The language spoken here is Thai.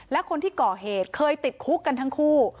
และคนที่ก่อเหตุเคยติดคุกกันทั้งคู่